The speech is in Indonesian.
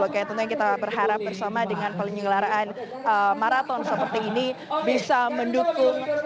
oke tentunya kita berharap bersama dengan penyelenggaraan maraton seperti ini bisa mendukung